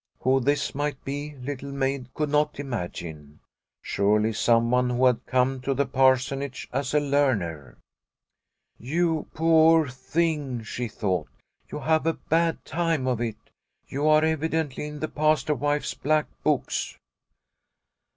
Who this might be Little Maid could not imagine. Surely someone who had come to the Parsonage as a learner. " You poor thing," she thought, " you have a bad time of it ; you are evidently in the Pastor wife's black books."